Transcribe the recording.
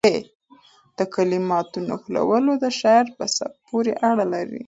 د کلماتو نښلول د شاعر په سبک پورې اړه لري.